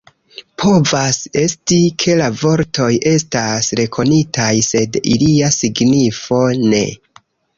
Povas esti, ke la vortoj estas rekonitaj, sed ilia signifo ne.